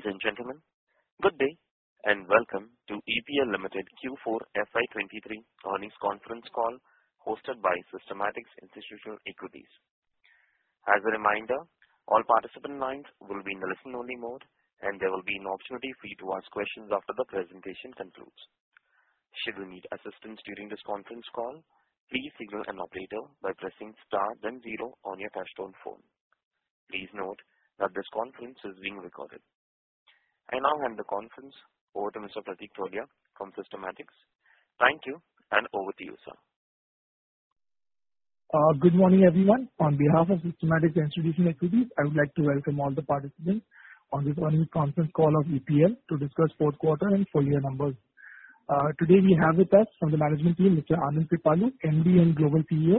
Ladies and gentlemen, good day and welcome to EPL Limited Q4 FY 2023 earnings conference call hosted by Systematix Institutional Equities. As a reminder, all participant lines will be in a listen-only mode, and there will be an opportunity for you to ask questions after the presentation concludes. Should you need assistance during this conference call, please signal an operator by pressing star then zero on your touch-tone phone. Please note that this conference is being recorded. I now hand the conference over to Mr. Pratik Tholiya from Systematix. Thank you, and over to you, sir. Good morning, everyone. On behalf of Systematix Institutional Equities, I would like to welcome all the participants on this earnings conference call of EPL to discuss fourth quarter and full-year numbers. Today we have with us from the management team Mr. Anand Kripalu, MD and Global CEO,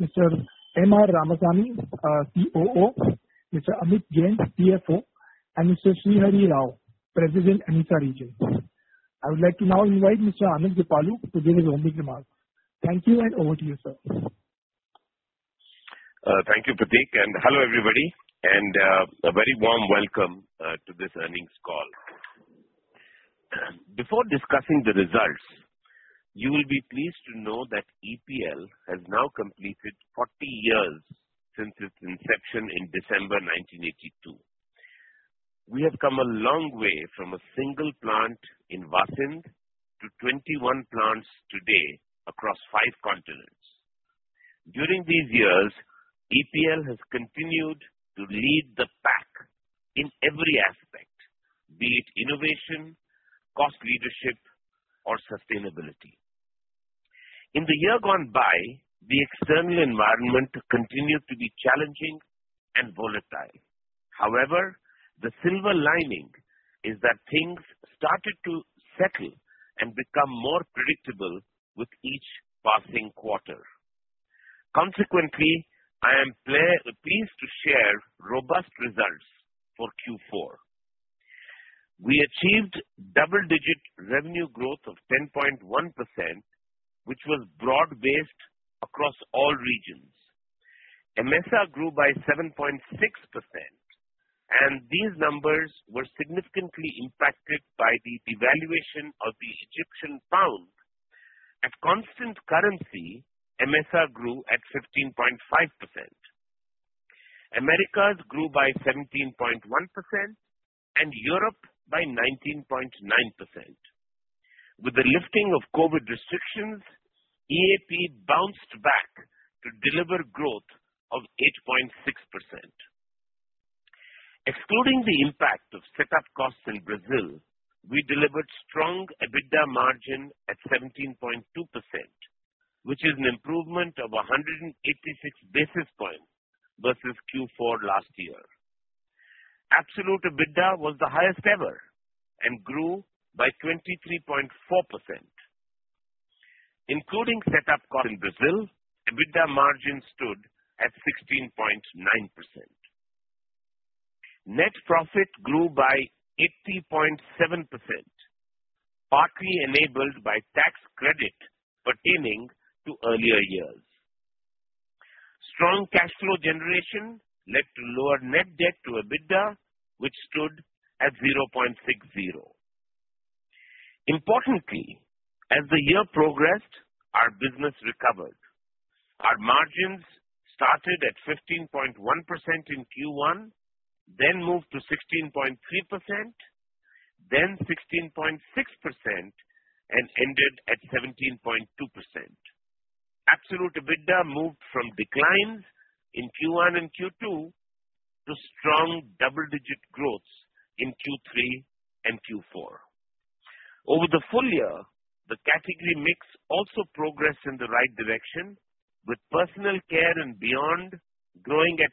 Mr. M.R. Ramasamy, COO, Mr. Amit Jain, CFO, and Mr. Srihari Rao, President, AMESA Region. I would like to now invite Mr. Anand Kripalu to give his opening remarks. Thank you, and over to you, sir. Thank you, Pratik, and hello everybody, a very warm welcome to this earnings call. Before discussing the results, you will be pleased to know that EPL has now completed 40 years since its inception in December 1982. We have come a long way from a single plant in Vasind to 21 plants today across five continents. During these years, EPL has continued to lead the pack in every aspect, be it innovation, cost leadership or sustainability. In the year gone by, the external environment continued to be challenging and volatile. However, the silver lining is that things started to settle and become more predictable with each passing quarter. Consequently, I am pleased to share robust results for Q4. We achieved double-digit revenue growth of 10.1%, which was broad-based across all regions. MEASA grew by 7.6%, and these numbers were significantly impacted by the devaluation of the Egyptian pound. At constant currency, MEASA grew at 15.5%. Americas grew by 17.1% and Europe by 19.9%. With the lifting of COVID restrictions, EAP bounced back to deliver growth of 8.6%. Excluding the impact of setup costs in Brazil, we delivered strong EBITDA margin at 17.2%, which is an improvement of 186 basis points versus Q4 last year. Absolute EBITDA was the highest ever and grew by 23.4%. Including setup costs in Brazil, EBITDA margin stood at 16.9%. Net profit grew by 80.7%, partly enabled by tax credit pertaining to earlier years. Strong cash flow generation led to lower net debt to EBITDA, which stood at 0.60%. Importantly, as the year progressed, our business recovered. Our margins started at 15.1% in Q1, then moved to 16.3%, then 16.6%, and ended at 17.2%. Absolute EBITDA moved from declines in Q1 and Q2 to strong double-digit growth in Q3 and Q4. Over the full-year, the category mix also progressed in the right direction, with personal care and beyond growing at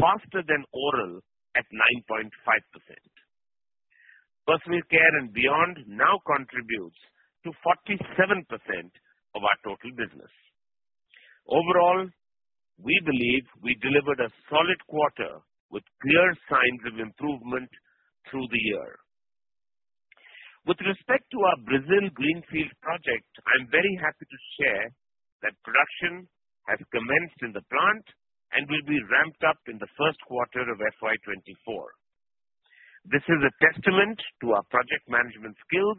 11.6% faster than oral at 9.5%. Personal care and beyond now contributes to 47% of our total business. Overall, we believe we delivered a solid quarter with clear signs of improvement through the year. With respect to our Brazil greenfield project, I'm very happy to share that production has commenced in the plant and will be ramped up in the first quarter of FY 2024. This is a testament to our project management skills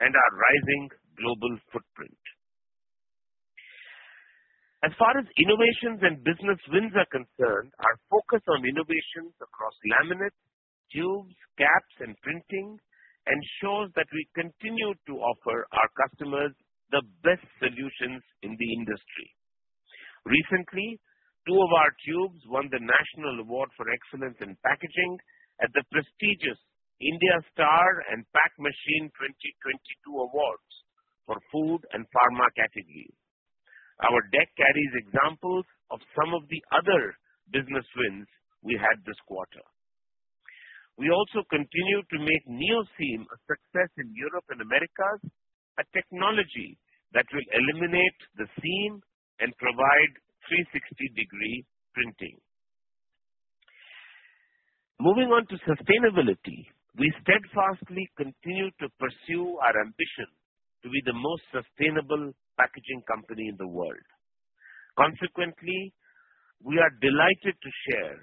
and our rising global footprint. As far as innovations and business wins are concerned, our focus on innovations across laminates, tubes, caps and printing ensures that we continue to offer our customers the best solutions in the industry. Recently, two of our tubes won the National Award for Excellence in Packaging at the prestigious INDIASTAR and PACMACHINE 2022 Awards for food and pharma category. Our deck carries examples of some of the other business wins we had this quarter. We also continue to make NEOSeam a success in Europe and Americas, a technology that will eliminate the seam and provide 360-degree printing. Moving on to sustainability, we steadfastly continue to pursue our ambition to be the most sustainable packaging company in the world. Consequently, we are delighted to share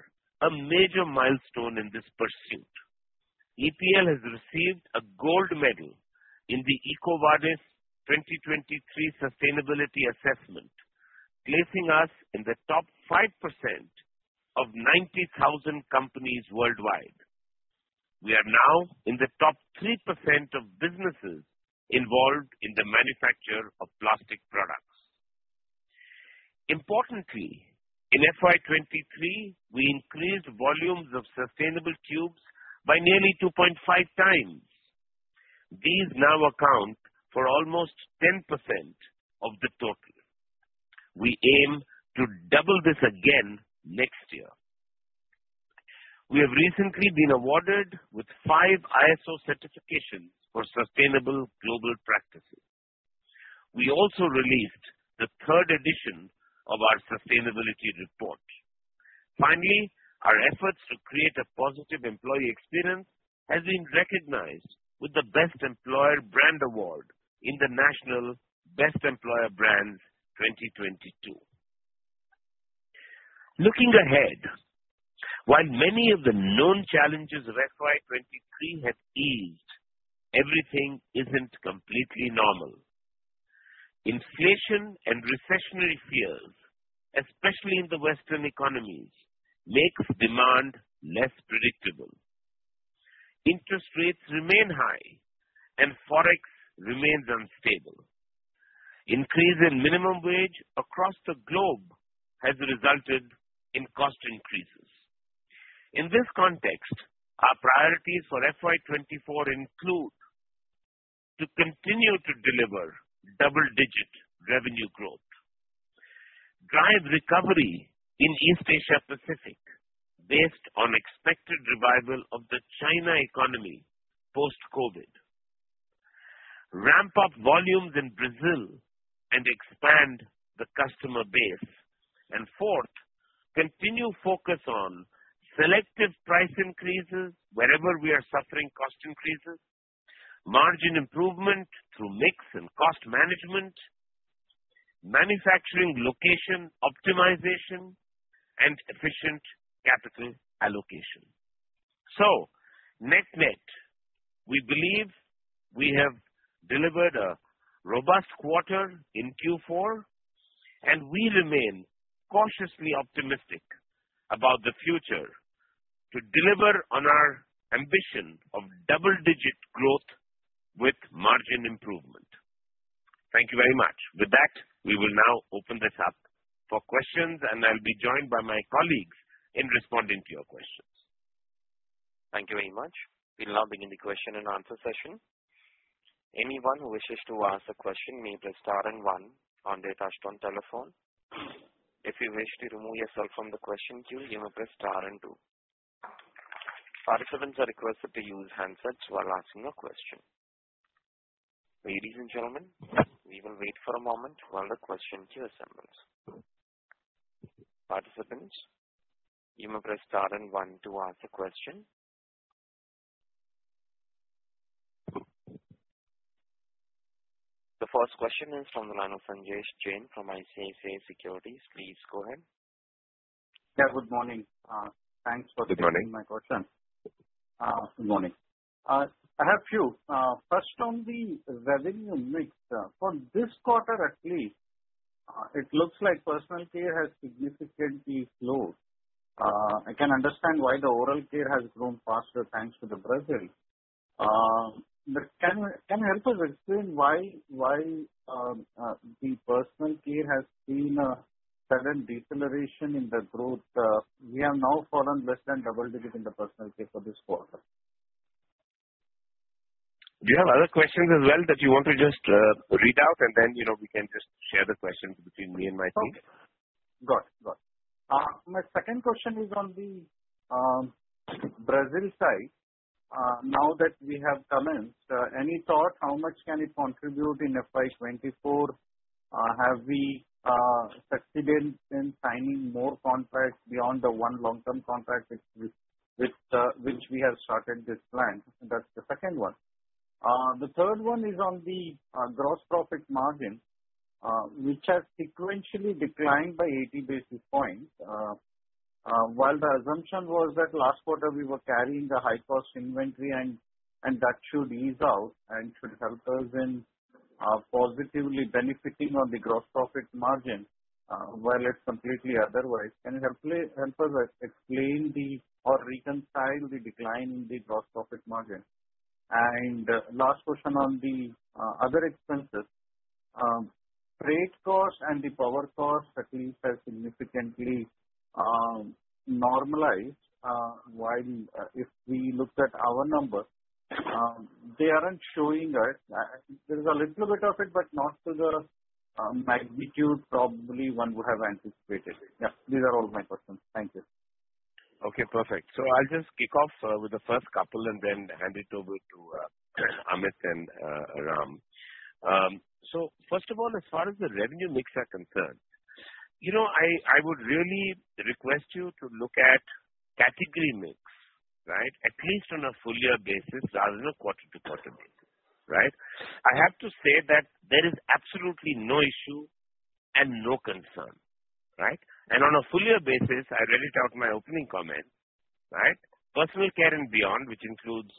a major milestone in this pursuit. EPL has received a gold medal in the EcoVadis 2023 Sustainability Assessment, placing us in the top 5% of 90,000 companies worldwide. We are now in the top 3% of businesses involved in the manufacture of plastic products. Importantly, in FY 2023, we increased volumes of sustainable tubes by nearly 2.5x. These now account for almost 10% of the total. We aim to double this again next year. We have recently been awarded with five ISO certifications for sustainable global practices. We also released the third edition of our sustainability report. Finally, our efforts to create a positive employee experience has been recognized with the Best Employer Brand Award in the National Best Employer Brands 2022. Looking ahead, while many of the known challenges of FY 2023 have eased, everything isn't completely normal. Inflation and recessionary fears, especially in the Western economies, makes demand less predictable. Interest rates remain high, and forex remains unstable. Increase in minimum wage across the globe has resulted in cost increases. In this context, our priorities for FY 2024 include to continue to deliver double-digit revenue growth, drive recovery in East Asia Pacific based on expected revival of the China economy post-COVID, ramp up volumes in Brazil and expand the customer base. Fourth, continue focus on selective price increases wherever we are suffering cost increases, margin improvement through mix and cost management, manufacturing location optimization, and efficient capital allocation. Net-net, we believe we have delivered a robust quarter in Q4, and we remain cautiously optimistic about the future to deliver on our ambition of double-digit growth with margin improvement. Thank you very much. With that, we will now open this up for questions, and I'll be joined by my colleagues in responding to your questions. Thank you very much. We'll now begin the question and answer session. Anyone who wishes to ask a question may press star and one on their touch-tone telephone. If you wish to remove yourself from the question queue, you may press star and two. Participants are requested to use handsets while asking a question. Ladies and gentlemen, we will wait for a moment while the question queue assembles. Participants, you may press star and one to ask a question. The first question is from the line of Sanjesh Jain from ICICI Securities. Please go ahead. Yeah, good morning. Thanks. Good morning. Taking my question. Good morning. I have few. First, on the revenue mix. From this quarter at least, it looks like personal care has significantly slowed. I can understand why the oral care has grown faster, thanks to the Brazil. Can you help us explain why the personal care has seen a sudden deceleration in the growth? We have now fallen less than double digit in the personal care for this quarter. Do you have other questions as well that you want to just read out and then, you know, we can just share the questions between me and my team? Got it. Got it. My second question is on the Brazil side. Now that we have commenced, any thought how much can it contribute in FY 2024? Have we succeeded in signing more contracts beyond the one long-term contract which we, which we have started this plant? That's the second one. The third one is on the gross profit margin, which has sequentially declined by 80 basis points. While the assumption was that last quarter we were carrying the high-cost inventory and that should ease out and should help us in positively benefiting on the gross profit margin, well, it's completely otherwise. Can you help us explain the or reconcile the decline in the gross profit margin? Last question on the other expenses. Freight costs and the power costs at least have significantly normalized. While, if we looked at our numbers, they aren't showing it. There's a little bit of it, but not to the magnitude probably one would have anticipated. Yeah, these are all my questions. Thank you. Okay, perfect. I'll just kick off with the first couple and then hand it over to Amit and Ram. First of all, as far as the revenue mix are concerned, you know, I would really request you to look at category mix, right? At least on a full-year basis rather than a quarter-to-quarter mix. Right. I have to say that there is absolutely no issue and no concern, right? And on a full-year basis, I read it out in my opening comment, right? Personal care and beyond, which includes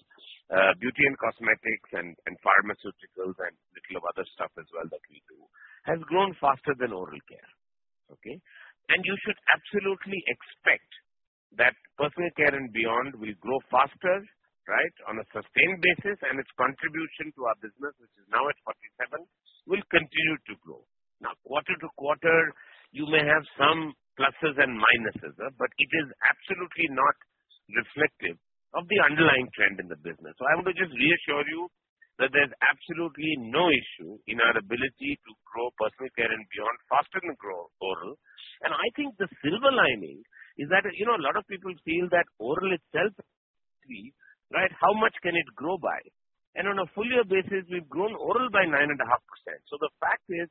beauty and cosmetics and pharmaceuticals and little of other stuff as well that we do, has grown faster than oral care. Okay? You should absolutely expect that personal care and beyond will grow faster, right, on a sustained basis, and its contribution to our business, which is now at 47%, will continue to grow. quarter-to-quarter, you may have some pluses and minuses, but it is absolutely not reflective of the underlying trend in the business. I want to just reassure you that there's absolutely no issue in our ability to grow personal care and beyond faster than grow oral. I think the silver lining is that, you know, a lot of people feel that oral itself right, how much can it grow by? On a full-year basis, we've grown oral by 9.5%. The fact is,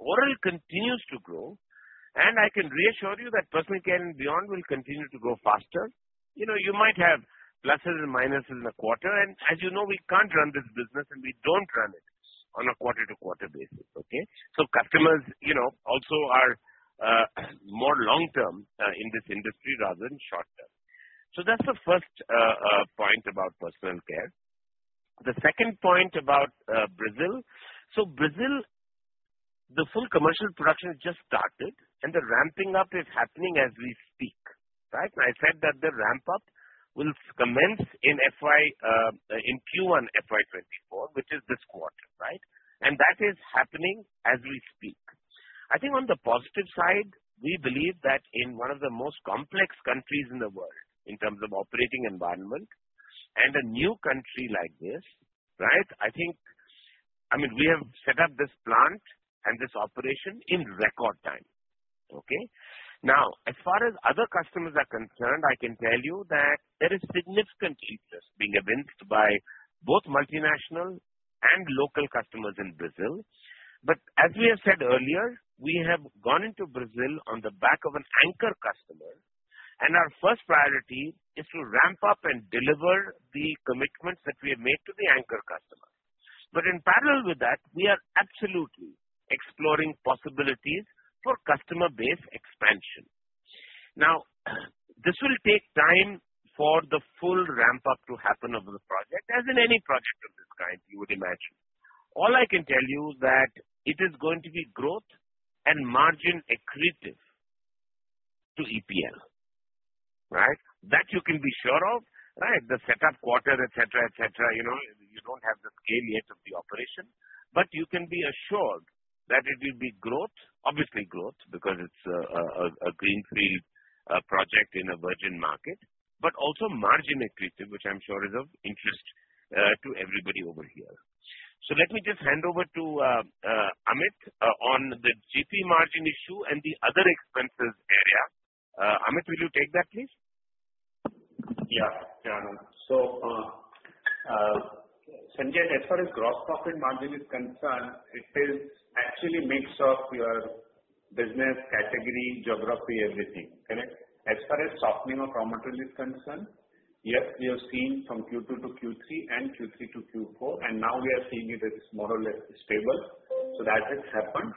oral continues to grow, and I can reassure you that personal care and beyond will continue to grow faster. You know, you might have pluses and minuses in a quarter. As you know, we can't run this business and we don't run it on a quarter-to-quarter basis. Okay? Customers, you know, also are more long term in this industry rather than short term. That's the first point about personal care. The second point about Brazil. Brazil, the full commercial production just started and the ramping up is happening as we speak. Right? I said that the ramp up will commence in FY in Q1 FY 24, which is this quarter, right? That is happening as we speak. I think on the positive side, we believe that in one of the most complex countries in the world in terms of operating environment and a new country like this, right, I think. I mean, we have set up this plant and this operation in record time. Okay? Now, as far as other customers are concerned, I can tell you that there is significant interest being evinced by both multinational and local customers in Brazil. As we have said earlier, we have gone into Brazil on the back of an anchor customer and our first priority is to ramp up and deliver the commitments that we have made to the anchor customer. In parallel with that, we are absolutely exploring possibilities for customer base expansion. Now, this will take time for the full ramp up to happen of the project, as in any project of this kind, you would imagine. All I can tell you is that it is going to be growth and margin accretive to EPL. Right? That you can be sure of, right? The set up quarter, et cetera, et cetera. You know, you don't have the scale yet of the operation, but you can be assured that it will be growth. Obviously growth, because it's a greenfield project in a virgin market, but also margin accretive, which I'm sure is of interest to everybody over here. Let me just hand over to Amit on the GP margin issue and the other expenses area. Amit, will you take that, please? Sanjay, as far as gross profit margin is concerned, it is actually mix of your business category, geography, everything. Correct? As far as softening of raw material is concerned, yes, we have seen from Q2 to Q3 and Q3 to Q4, and now we are seeing it is more or less stable. That has happened.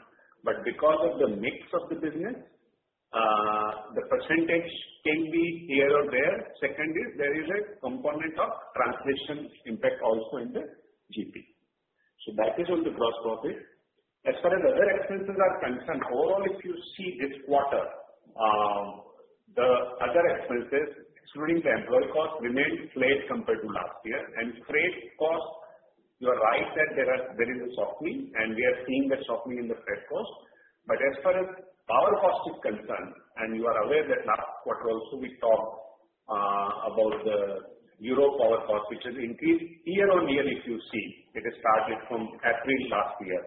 Because of the mix of the business, the percentage can be here or there. Second is there is a component of translation impact also in the GP. That is on the gross profit. As far as other expenses are concerned, overall, if you see this quarter, the other expenses, excluding the employee cost, remained flat compared to last year. Freight cost, you are right that there is a softening and we are seeing the softening in the freight cost. As far as power cost is concerned, you are aware that last quarter also we talked about the Europe power cost, which has increased year-on-year, if you see. It has started from April last year.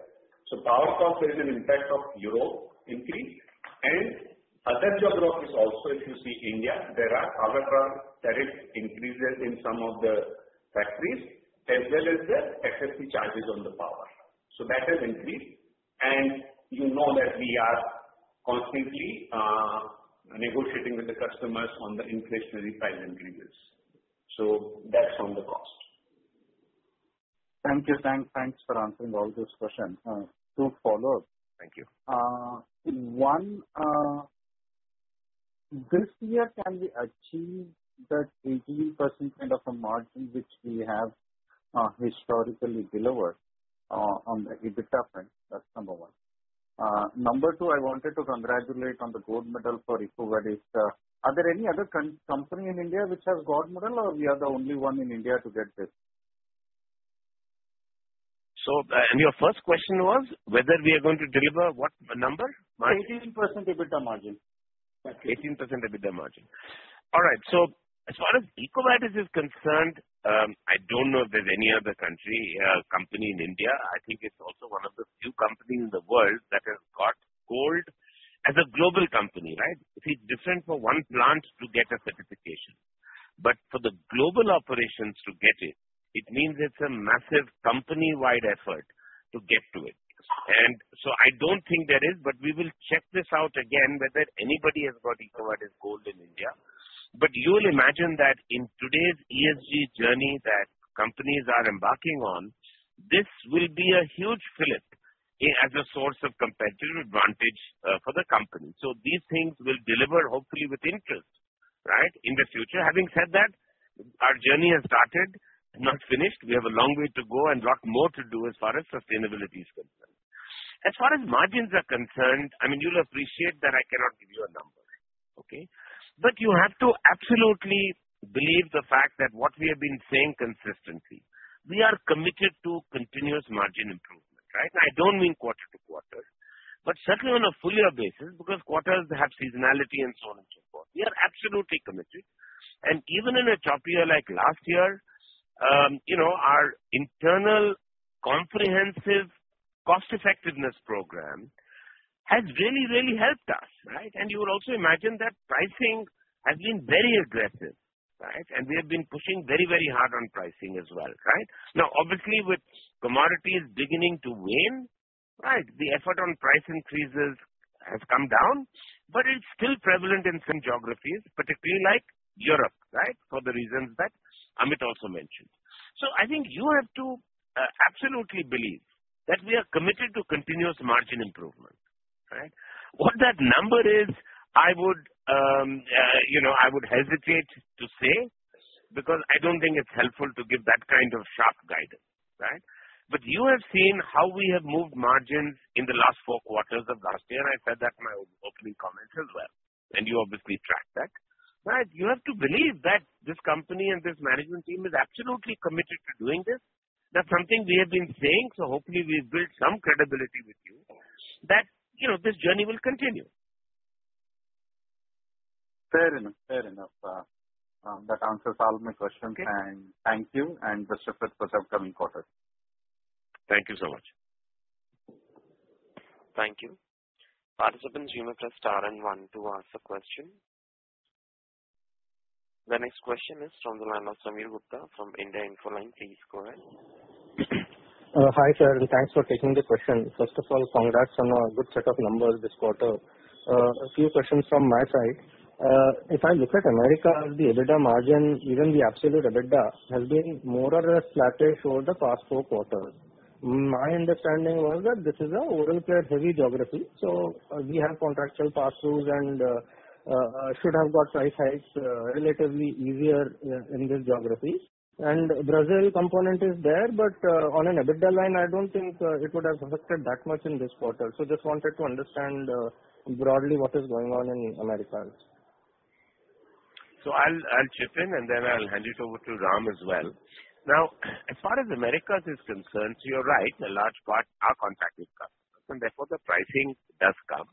Power cost, there is an impact of Europe increase and other geographies also if you see India, there are other power tariff increases in some of the factories as well as the excess charges on the power. That has increased. You know that we are constantly negotiating with the customers on the inflationary price increases. That's on the cost. Thank you. Thanks for answering all those questions. Two follow up. Thank you. One, this year, can we achieve that 18% kind of a margin which we have historically delivered on the EBITDA front? That's number one. Number two, I wanted to congratulate on the gold medal for EcoVadis. Are there any other company in India which has gold medal or we are the only one in India to get this? Your first question was whether we are going to deliver what number? Margin. 18% EBITDA margin. 18% EBITDA margin. All right. As far as EcoVadis is concerned, I don't know if there's any other country, company in India. I think it's also one of the few companies in the world that has got gold as a global company, right? See, it's different for one plant to get a certification, but for the global operations to get it means it's a massive company-wide effort to get to it. I don't think there is, but we will check this out again whether anybody has got EcoVadis gold in India. You will imagine that in today's ESG journey that companies are embarking on, this will be a huge fillip as a source of competitive advantage for the company. These things will deliver hopefully with interest, right? In the future. Having said that, our journey has started, not finished. We have a long way to go and lot more to do as far as sustainability is concerned. As far as margins are concerned, I mean, you'll appreciate that I cannot give you a number. Okay? You have to absolutely believe the fact that what we have been saying consistently, we are committed to continuous margin improvement, right? I don't mean quarter-to-quarter, but certainly on a full-year basis because quarters have seasonality and so on and so forth. We are absolutely committed. Even in a tough year like last year, you know, our internal comprehensive cost effectiveness program has really helped us, right? You would also imagine that pricing has been very aggressive, right? We have been pushing very hard on pricing as well. Right? Now, obviously, with commodities beginning to wane, right? The effort on price increases has come down, but it's still prevalent in some geographies, particularly like Europe, right? For the reasons that Amit also mentioned. I think you have to absolutely believe that we are committed to continuous margin improvement, right? What that number is, I would, you know, I would hesitate to say because I don't think it's helpful to give that kind of sharp guidance, right? You have seen how we have moved margins in the last four quarters of last year, and I said that in my opening comments as well, and you obviously tracked that, right? You have to believe that this company and this management team is absolutely committed to doing this. That's something we have been saying. Hopefully we've built some credibility with you that, you know, this journey will continue. Fair enough. That answers all my questions. Okay. Thank you and best of luck for the upcoming quarter. Thank you so much. Thank you. Participants, you may press star and one to ask a question. The next question is from the line of Sameer Gupta from India Infoline. Please go ahead. Hi, sir, thanks for taking the question. First of all, congrats on a good set of numbers this quarter. A few questions from my side. If I look at America, the EBITDA margin, even the absolute EBITDA has been more or less flat-ish for the past four quarters. My understanding was that this is a oil and gas heavy geography. We have contractual pass-throughs and should have got price hikes relatively easier in this geography. Brazil component is there, but on an EBITDA line, I don't think it would have affected that much in this quarter. Just wanted to understand broadly what is going on in Americas. I'll chip in and then I'll hand it over to Ram as well. As far as Americas is concerned, you're right, a large part are contracted customers, and therefore the pricing does come,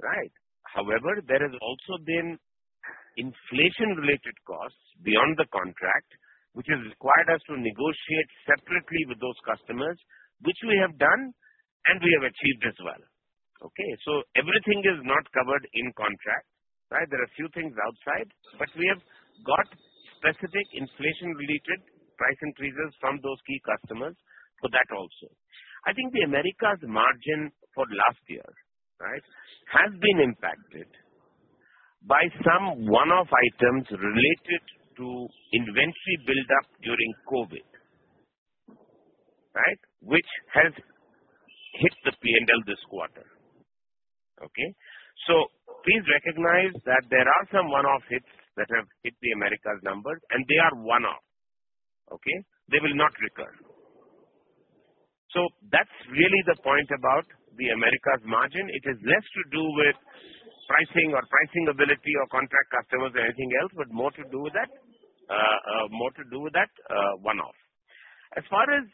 right? However, there has also been inflation-related costs beyond the contract, which has required us to negotiate separately with those customers, which we have done and we have achieved as well. Okay? Everything is not covered in contract, right? There are a few things outside, but we have got specific inflation-related price increases from those key customers for that also. I think the Americas margin for last year, right, has been impacted by some one-off items related to inventory buildup during COVID, right, which has hit the P&L this quarter. Okay? Please recognize that there are some one-off hits that have hit the Americas numbers and they are one-off. Okay? They will not recur. That's really the point about the Americas margin. It is less to do with pricing or pricing ability or contract customers or anything else, but more to do with that one-off. As far as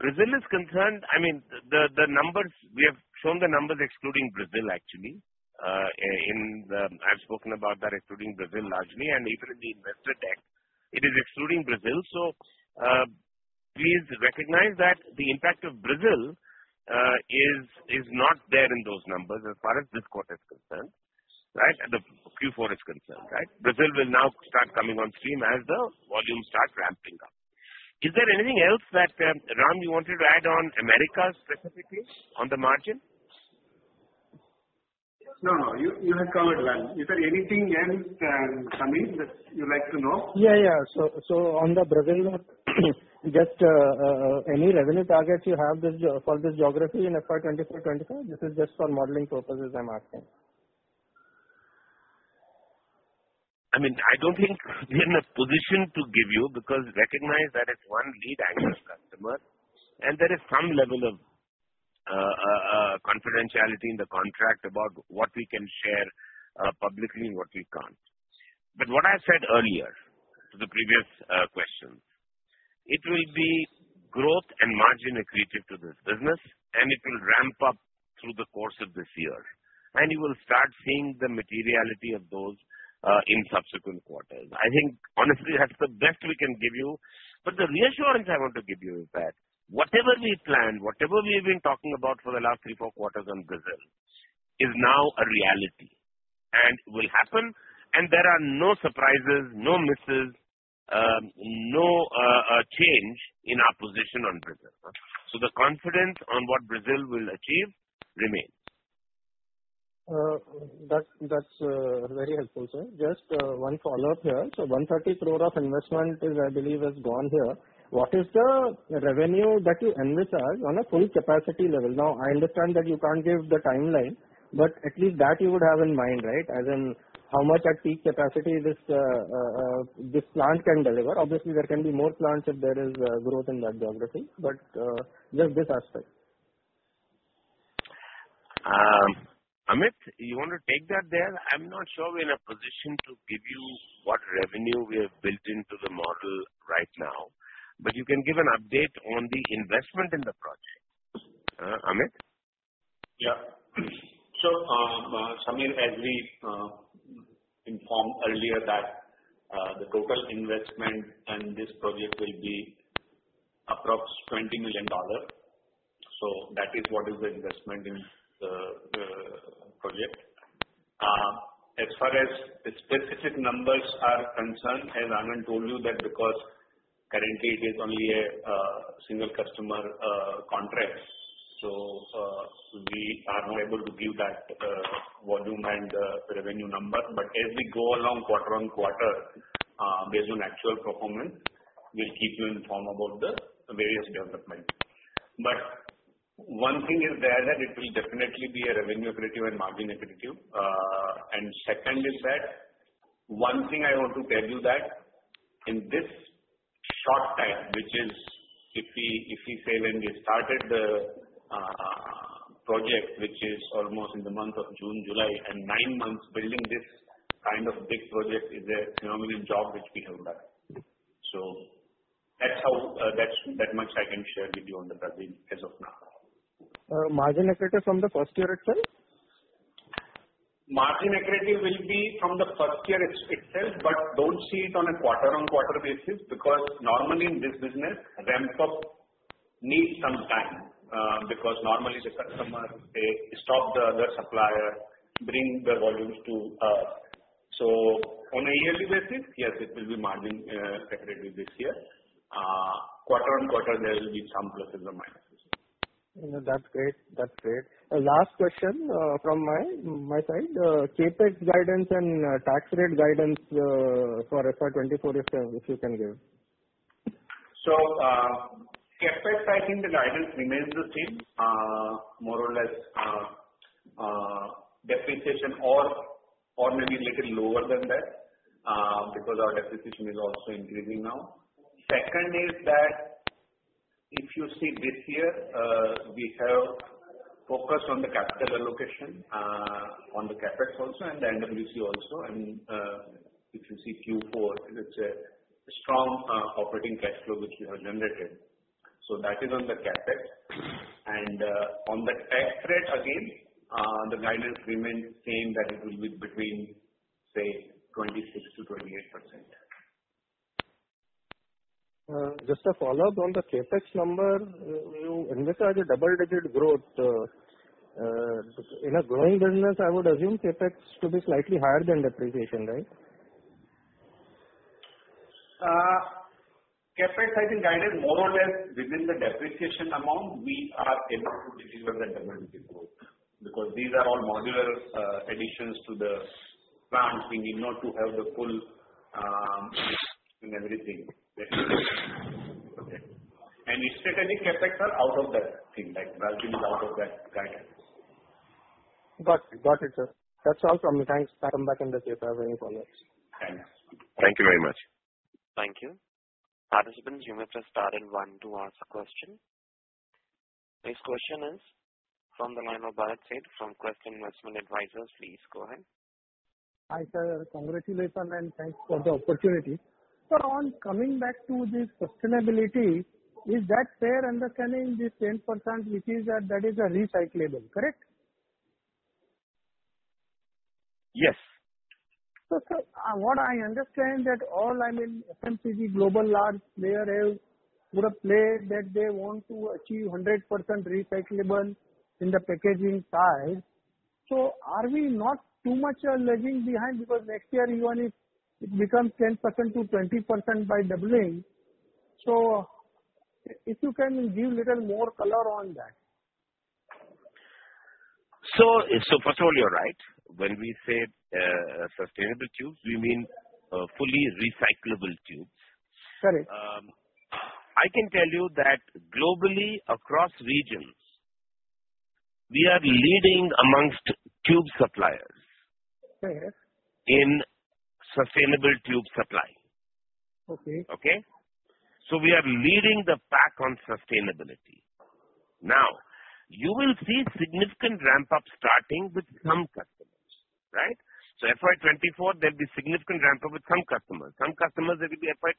Brazil is concerned, I mean, the numbers, we have shown the numbers excluding Brazil actually. I've spoken about that excluding Brazil largely and even in the investor deck it is excluding Brazil. Please recognize that the impact of Brazil is not there in those numbers as far as this quarter is concerned, right, and the Q4 is concerned, right? Brazil will now start coming on stream as the volumes start ramping up. Is there anything else that Ram you wanted to add on Americas specifically on the margin? No, no. You have covered well. Is there anything else, Sameer, that you'd like to know? Yeah. On the Brazil note, just, any revenue targets you have this, for this geography in FY 2024, 2025? This is just for modeling purposes I'm asking. I mean, I don't think we're in a position to give you because recognize that it's one lead anchor customer and there is some level of confidentiality in the contract about what we can share publicly and what we can't. What I said earlier to the previous question, it will be growth and margin accretive to this business and it will ramp up through the course of this year and you will start seeing the materiality of those in subsequent quarters. I think honestly, that's the best we can give you. The reassurance I want to give you is that whatever we planned, whatever we have been talking about for the last three, four quarters on Brazil is now a reality and will happen and there are no surprises, no misses, no change in our position on Brazil. The confidence on what Brazil will achieve remains. That, that's very helpful, sir. Just one follow-up here. 130 crore of investment is I believe has gone here. What is the revenue that you envisage on a full capacity level? Now, I understand that you can't give the timeline, but at least that you would have in mind, right? As in how much at peak capacity this plant can deliver. Obviously, there can be more plants if there is growth in that geography. Just this aspect. Amit, you wanna take that there? I'm not sure we're in a position to give you what revenue we have built into the model right now, but you can give an update on the investment in the project. Amit? Sameer, as we informed earlier that the total investment in this project will be approx $20 million. That is what is the investment in the project. As far as the specific numbers are concerned, as Anand told you that because currently it is only a single customer contract, we are not able to give that volume and revenue number. As we go along quarter-on-quarter, based on actual performance, we'll keep you informed about the various development. One thing is there that it will definitely be a revenue accretive and margin accretive. Second is that one thing I want to tell you that in this short time, which is if we say when we started the project, which is almost in the month of June, July, in nine months building this kind of big project is a phenomenal job which we have done. That's how. That's that much I can share with you on the project as of now. Margin accretive from the first year itself? Margin accretive will be from the first year itself. Don't see it on a quarter-on-quarter basis, because normally in this business, ramp up needs some time. Normally the customer, they stop the other supplier, bring the volumes to us. On a yearly basis, yes, it will be margin accretive this year. Quarter-on-quarter, there will be some pluses or minuses. That's great. That's great. Last question from my side. CapEx guidance and tax rate guidance for FY 2024 if you can give. CapEx, I think the guidance remains the same. More or less, depreciation or maybe little lower than that, because our depreciation is also increasing now. Second is that if you see this year, we have focused on the capital allocation, on the CapEx also and the NWC also. If you see Q4, it's a strong operating cash flow which we have generated. That is on the CapEx. On the tax rate, again, the guidance remains same, that it will be between, say, 26%-28%. Just a follow-up on the CapEx number. You envisage a double-digit growth. In a growing business, I would assume CapEx to be slightly higher than depreciation, right? CapEx, I think guidance more or less within the depreciation amount we are able to deliver the double-digit growth, because these are all modular, additions to the plants. We need not to have the full, and everything. Strategic CapEx are out of that thing, like Belgium is out of that guidance. Got it. Got it, sir. That's all from me. Thanks. I come back in the case I have any follow-ups. Thanks. Thank you very much. Thank you. Participants, you may press star one to ask a question. Next question is from the line of Bharat Sheth from Quest Investment Advisors. Please go ahead. Hi, sir. Congratulations and thanks for the opportunity. Sir, on coming back to the sustainability, is that fair understanding, this 10% which is that is a recyclable, correct? Yes. Sir, what I understand that all FMCG global large player have put a play that they want to achieve 100% recyclable in the packaging size. Are we not too much lagging behind? Because next year even if it becomes 10%-20% by doubling. If you can give little more color on that. First of all, you're right. When we say, sustainable tubes, we mean, fully recyclable tubes. Correct. I can tell you that globally across regions we are leading amongst tube suppliers. Fair. In sustainable tube supply. Okay. Okay? We are leading the pack on sustainability. You will see significant ramp up starting with some customers, right? FY 2024 there'll be significant ramp up with some customers. Some customers it will be FY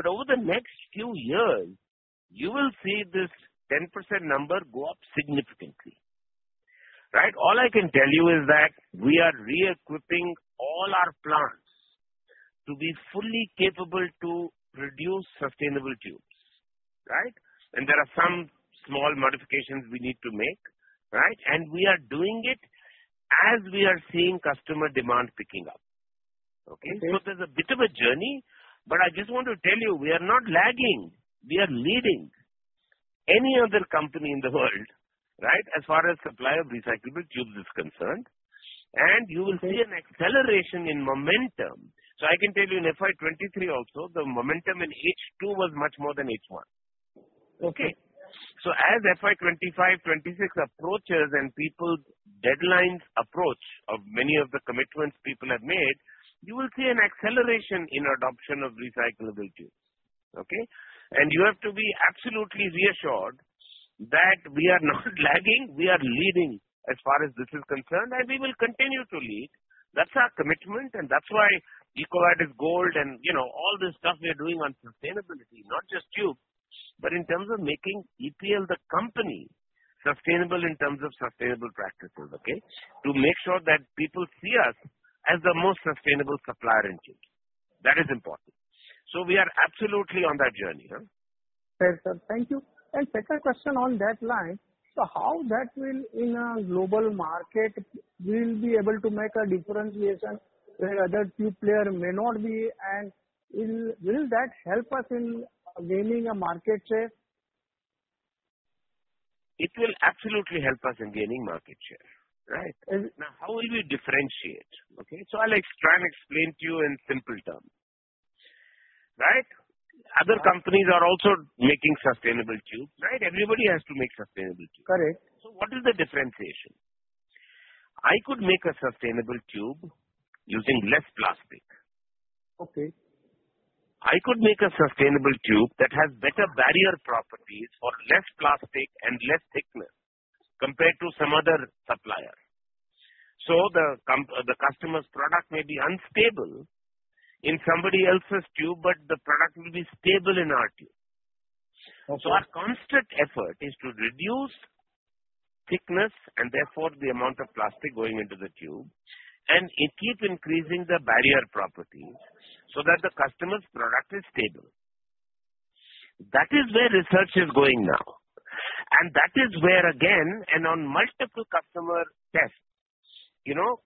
2025. Over the next few years you will see this 10% number go up significantly, right? All I can tell you is that we are re-equipping all our plants to be fully capable to produce sustainable tubes, right? There are some small modifications we need to make, right? We are doing it as we are seeing customer demand picking up. Okay. There's a bit of a journey, but I just want to tell you we are not lagging, we are leading any other company in the world, right? As far as supply of recyclable tubes is concerned. You will see an acceleration in momentum. I can tell you in FY 2023 also, the momentum in H2 was much more than H1. Okay. As FY 2025, 2026 approaches and people's deadlines approach of many of the commitments people have made, you will see an acceleration in adoption of recyclable tubes. Okay. You have to be absolutely reassured that we are not lagging, we are leading as far as this is concerned, and we will continue to lead. That's our commitment, and that's why EcoVadis Gold and, you know, all this stuff we are doing on sustainability, not just tubes, but in terms of making EPL the company sustainable in terms of sustainable practices. Okay. To make sure that people see us as the most sustainable supplier in tubes. That is important. We are absolutely on that journey, huh. Yes, sir. Thank you. Second question on that line. How that will in a global market we'll be able to make a differentiation where other tube player may not be and will that help us in gaining a market share? It will absolutely help us in gaining market share. Right? And. How will we differentiate? Okay? I'll try and explain to you in simple terms. Right? Other companies are also making sustainable tubes, right? Everybody has to make sustainable tubes. Correct. What is the differentiation? I could make a sustainable tube using less plastic. Okay. I could make a sustainable tube that has better barrier properties for less plastic and less thickness compared to some other supplier. The customer's product may be unstable in somebody else's tube, but the product will be stable in our tube. Okay. Our constant effort is to reduce thickness and therefore the amount of plastic going into the tube, and it keeps increasing the barrier properties so that the customer's product is stable. That is where research is going now. That is where, again, and on multiple customer tests, you know,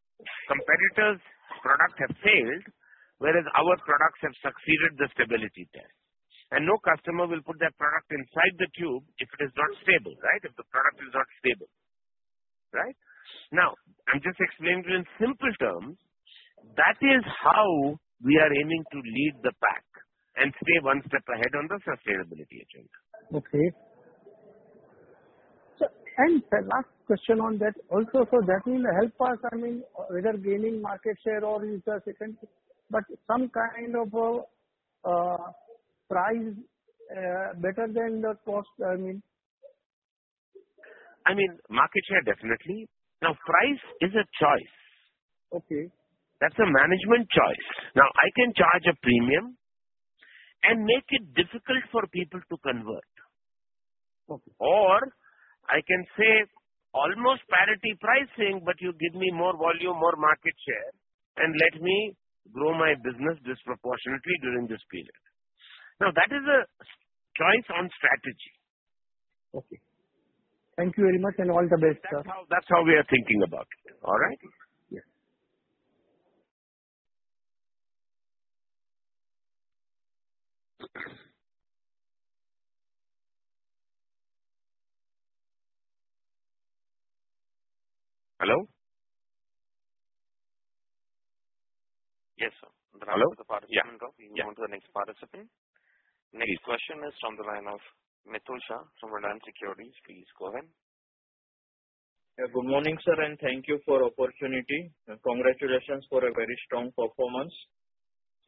competitors' products have failed, whereas our products have succeeded the stability test. No customer will put their product inside the tube if it is not stable, right? If the product is not stable. Right? Now, I'm just explaining to you in simple terms, that is how we are aiming to lead the pack and stay one step ahead on the sustainability agenda. Okay. The last question on that also. That will help us, I mean, whether gaining market share or sustainability, but some kind of price better than the cost, I mean. I mean, market share definitely. Now price is a choice. Okay. That's a management choice. I can charge a premium and make it difficult for people to convert. Okay. I can say almost parity pricing. You give me more volume, more market share. Let me grow my business disproportionately during this period. That is a choice on strategy. Okay. Thank you very much and all the best, sir. That's how we are thinking about it. All right? Yeah. Hello? Yes, sir. Hello? The participant. Yeah. We move on to the next participant. Please. Next question is from the line of Mitul Shah from Reliance Securities. Please go ahead. Yeah. Good morning, sir, thank you for opportunity, and congratulations for a very strong performance.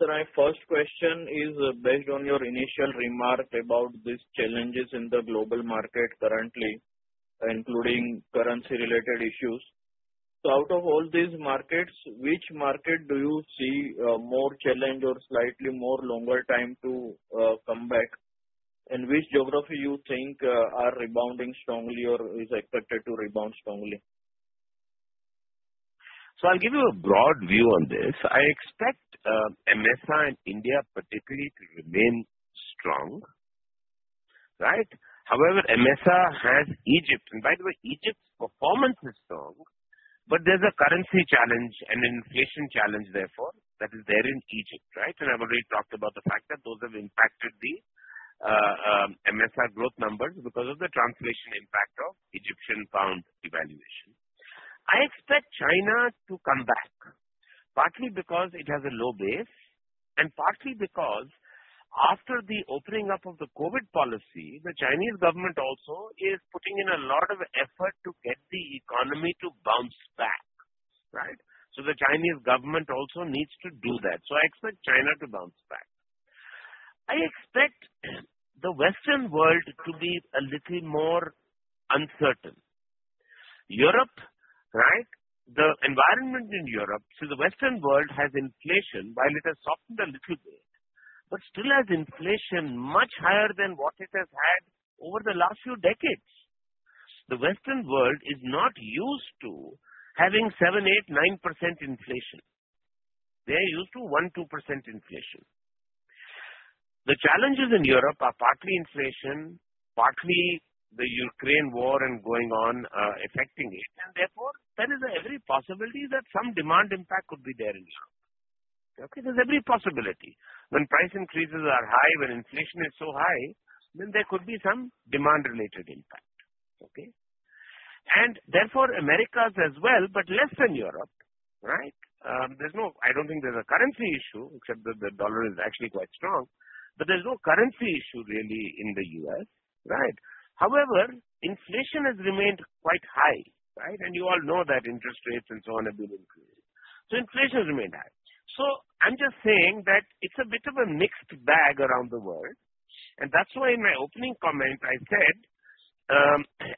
My first question is based on your initial remark about these challenges in the global market currently, including currency related issues. Out of all these markets, which market do you see more challenged or slightly more longer time to come back? Which geography you think are rebounding strongly or is expected to rebound strongly? I'll give you a broad view on this. I expect AMESA in India particularly to remain strong. Right? However, AMESA has Egypt. Egypt's performance is strong, but there's a currency challenge and inflation challenge, therefore, that is there in Egypt, right? I've already talked about the fact that those have impacted the AMESA growth numbers because of the translation impact of Egyptian pound devaluation. I expect China to come back, partly because it has a low base and partly because after the opening up of the COVID policy, the Chinese government also is putting in a lot of effort to get the economy to bounce back. Right? The Chinese government also needs to do that. I expect China to bounce back. I expect the Western world to be a little more uncertain. Europe, right? The environment in Europe. The Western world has inflation, while it has softened a little bit, but still has inflation much higher than what it has had over the last few decades. The Western world is not used to having 7%, 8%, 9% inflation. They are used to 1%, 2% inflation. The challenges in Europe are partly inflation, partly the Ukraine War and going on, affecting it. Therefore there is every possibility that some demand impact could be there in Europe. Okay. There's every possibility. When price increases are high, when inflation is so high, then there could be some demand related impact. Okay. Therefore Americas as well, but less than Europe, right. I don't think there's a currency issue except that the dollar is actually quite strong, but there's no currency issue really in the U.S., right. Inflation has remained quite high, right. You all know that interest rates and so on have been increased. Inflation has remained high. I'm just saying that it's a bit of a mixed bag around the world, and that's why in my opening comment I said,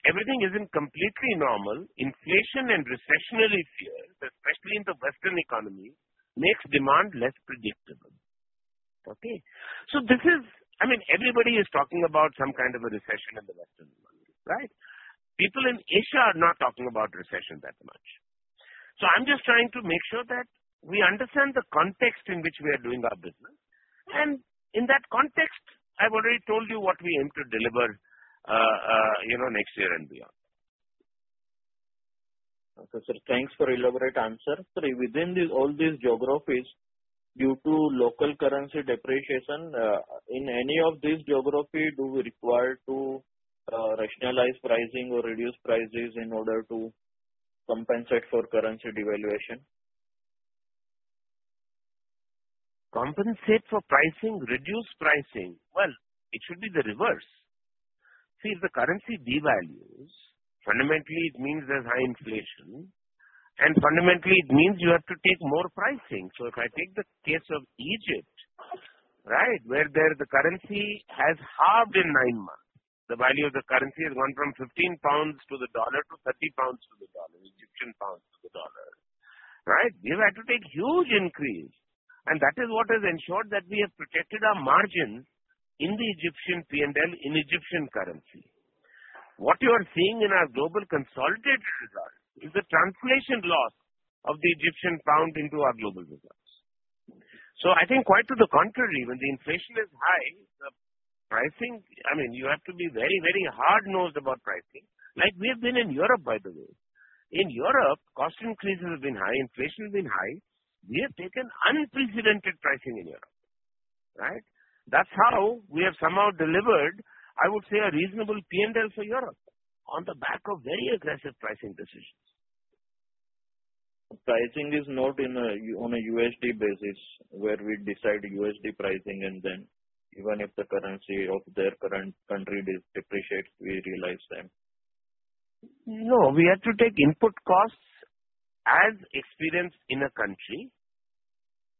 everything isn't completely normal. Inflation and recessionary fears, especially in the Western economy, makes demand less predictable. Okay? This is, I mean, everybody is talking about some kind of a recession in the Western world, right? People in Asia are not talking about recession that much. I'm just trying to make sure that we understand the context in which we are doing our business. In that context, I've already told you what we aim to deliver, you know, next year and beyond. Okay, sir. Thanks for elaborate answer. Sir, within these, all these geographies, due to local currency depreciation, in any of this geography, do we require to rationalize pricing or reduce prices in order to compensate for currency devaluation? Compensate for pricing, reduce pricing. Well, it should be the reverse. See, if the currency devalues, fundamentally it means there's high inflation, fundamentally it means you have to take more pricing. If I take the case of Egypt, where there the currency has halved in 9 months. The value of the currency has gone from 15 pounds to the $1 to EGP 30 to the $1, Egyptian pound to the dollar. We've had to take huge increase, that is what has ensured that we have protected our margin in the Egyptian P&L in Egyptian currency. What you are seeing in our global consolidated results is the translation loss of the Egyptian pound into our global results. I think quite to the contrary, when the inflation is high, the pricing, I mean, you have to be very, very hard-nosed about pricing. Like we have been in Europe, by the way. In Europe, cost increases have been high, inflation has been high. We have taken unprecedented pricing in Europe, right? That's how we have somehow delivered, I would say, a reasonable P&L for Europe on the back of very aggressive pricing decisions. Pricing is not on a USD basis where we decide USD pricing and then even if the currency of their current country depreciates, we realize them. No, we have to take input costs as experienced in a country.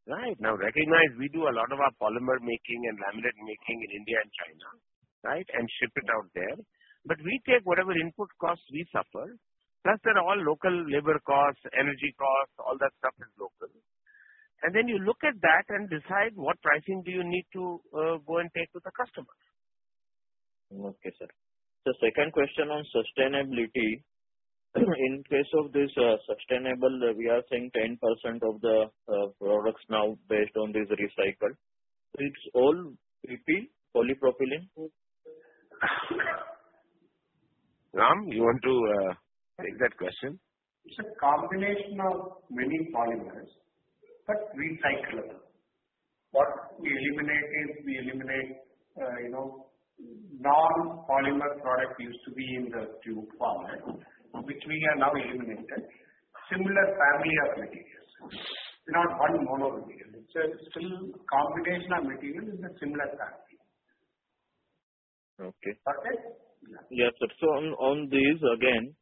Right. Now, recognize we do a lot of our polymer making and laminate making in India and China, right. Ship it out there. We take whatever input costs we suffer, plus they're all local labor costs, energy costs, all that stuff is local. Then you look at that and decide what pricing do you need to go and take to the customer. Okay, sir. The second question on sustainability. In case of this, sustainable, we are saying 10% of the products now based on this recycle. It's all PP, polypropylene? Ram, you want to take that question? It's a combination of many polymers, but recyclable. What we eliminate is we eliminate, you know, non-polymer product used to be in the tube format, which we have now eliminated. Similar family of materials. Not one mono material. It's a still combination of material in a similar family. Okay. Okay? Yeah. On this again,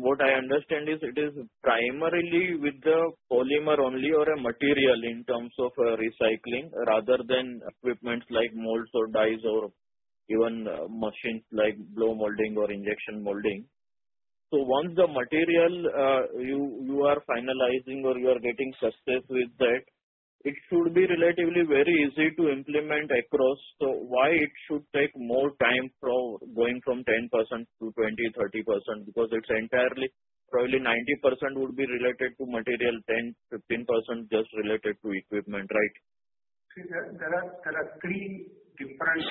what I understand is it is primarily with the polymer only or a material in terms of recycling rather than equipments like molds or dies or even machines like blow molding or injection molding. Once the material, you are finalizing or you are getting success with that, it should be relatively very easy to implement across. Why it should take more time from going from 10%-20%, 30% because it's entirely probably 90% would be related to material, 10%, 15% just related to equipment, right? See, there are three different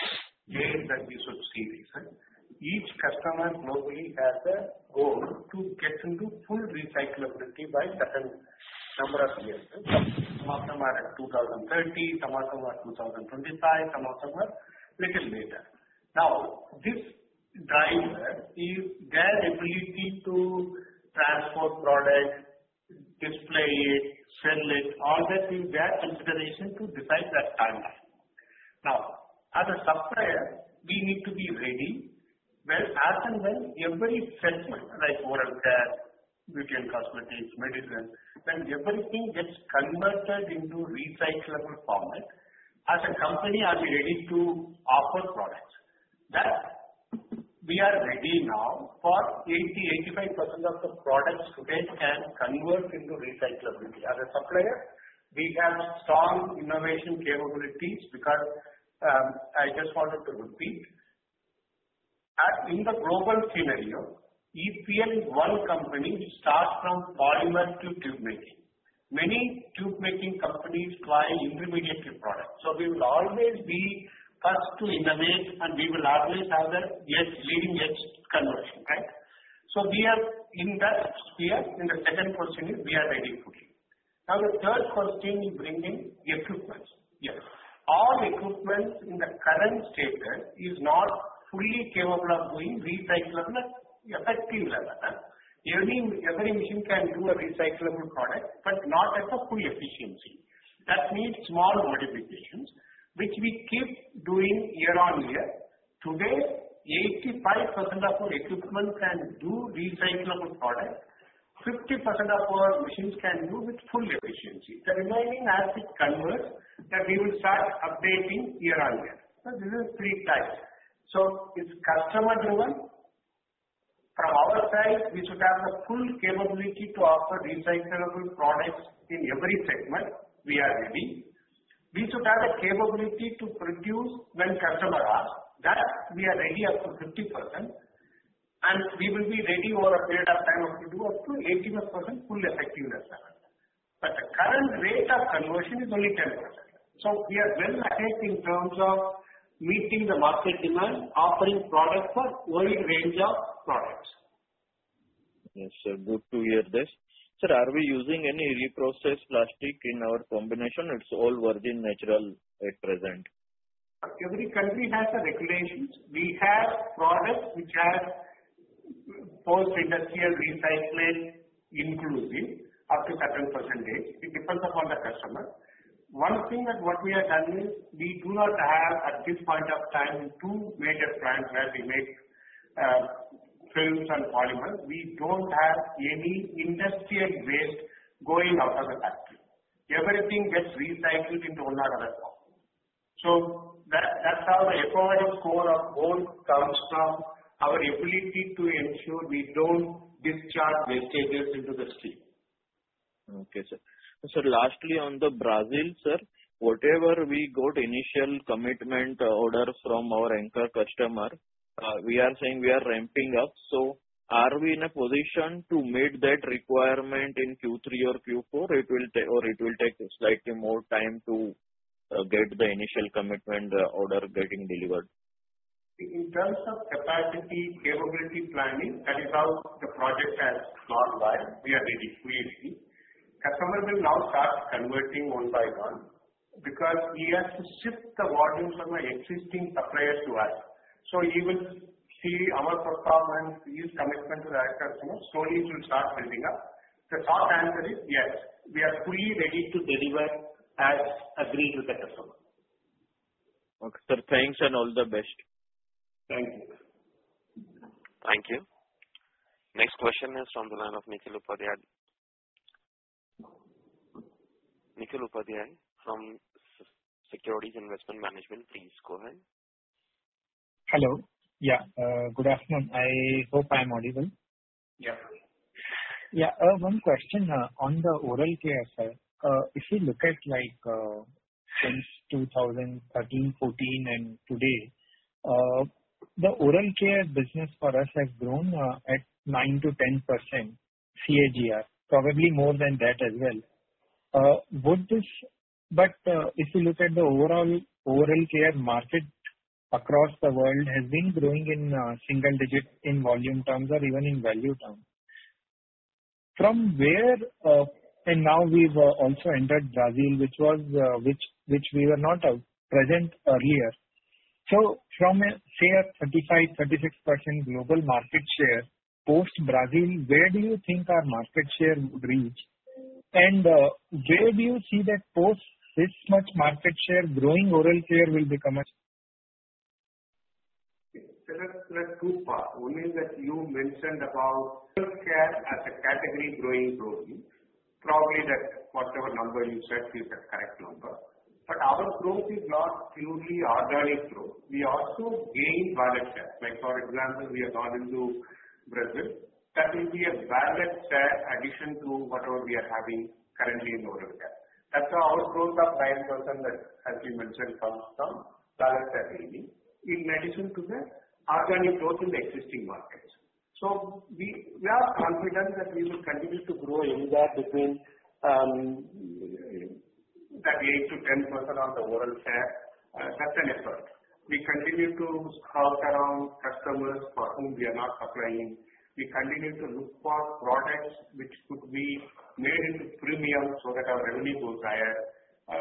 ways that you should see this. Each customer normally has a goal to get into full recyclability by certain number of years. Some of them are at 2030, some of them are 2025, some of them are little later. Now, this driver is their ability to transport product, display it, sell it, all that is their consideration to decide their timeline. Now, as a supplier, we need to be ready when as and when every segment like oral care, beauty and cosmetics, medicines, when everything gets converted into recyclable format, as a company are we ready to offer products? That we are ready now for 80%, 85% of the products today can convert into recyclability. As a supplier, we have strong innovation capabilities because I just wanted to repeat. In the global scenario, EPL is one company which starts from polymer to tube making. Many tube making companies buy intermediate tube products. We will always be first to innovate, and we will always have the edge, leading edge conversion. Right? We are in that sphere. In the second question is we are ready for it. The third question is bringing equipments. Yes. All equipments in the current status is not fully capable of doing recyclable at effective level. Every machine can do a recyclable product, but not at a full efficiency. That needs small modifications, which we keep doing year on year. Today, 85% of our equipment can do recyclable product. 50% of our machines can do with full efficiency. The remaining as it converts, then we will start updating year on year. This is 3 types. It's customer driven. From our side, we should have the full capability to offer recyclable products in every segment. We are ready. We should have the capability to produce when customer asks. That we are ready up to 50%, and we will be ready over a period of time up to 85% full effectiveness. But the current rate of conversion is only 10%. We are well ahead in terms of meeting the market demand, offering product for wide range of products. Yes, sir. Good to hear this. Sir, are we using any reprocessed plastic in our combination? It's all virgin natural at present. Every country has a regulations. We have products which have post-industrial recycling inclusive up to certain percentage. It depends upon the customer. One thing that what we have done is we do not have, at this point of time, two major plants where we make films and polymers. We don't have any industrial waste going out of the factory. Everything gets recycled into one or other form. That, that's how the ecological score of EcoVadis comes from our ability to ensure we don't discharge wastages into the stream. Okay, sir. Lastly, on the Brazil, sir, whatever we got initial commitment order from our anchor customer, we are saying we are ramping up. Are we in a position to meet that requirement in Q3 or Q4? Will it take slightly more time to get the initial commitment order getting delivered? In terms of capacity, capability planning, that is how the project has gone by. We are ready fully. Customer will now start converting one by one because he has to shift the volumes from an existing supplier to us. He will see our performance, his commitment to that customer. Slowly it will start building up. The short answer is yes. We are fully ready to deliver as agreed with the customer. Okay, sir. Thanks and all the best. Thank you. Thank you. Next question is from the line of Nikhil Upadhyay. Nikhil Upadhyay from Securities Investment Management. Please go ahead. Hello. Good afternoon. I hope I'm audible. Yeah. Yeah. One question on the oral care, sir. If you look at like since 2013, 2014, and today, the oral care business for us has grown at 9%-10% CAGR, probably more than that as well. If you look at the overall oral care market across the world has been growing in single-digit in volume terms or even in value terms. From where? Now we've also entered Brazil, which we were not present earlier. So from a, say, a 35%-36% global market share, post Brazil, where do you think our market share would reach? Where do you see that post this much market share growing oral care will become? There are two parts. One is that you mentioned about oral care as a category growing broadly. Probably that whatever number you said is the correct number. Our growth is not purely organic growth. We also gained market share. Like, for example, we have gone into Brazil. That will be a valid share addition to whatever we are having currently in oral care. That's our growth of 9% that, as we mentioned, comes from valid share gaining in addition to the organic growth in the existing markets. We are confident that we will continue to grow in that between the 8%-10% of the oral care. That's an effort. We continue to scout around customers for whom we are not supplying. We continue to look for products which could be made into premium so that our revenue goes higher.